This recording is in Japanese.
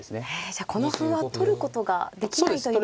じゃあこの歩は取ることができないということですね。